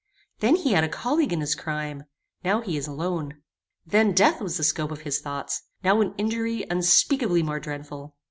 Then he had a colleague in his crime; now he is alone. Then death was the scope of his thoughts; now an injury unspeakably more dreadful.